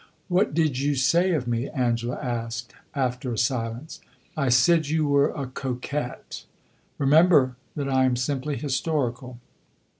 "What did you say of me?" Angela asked, after a silence. "I said you were a coquette. Remember that I am simply historical."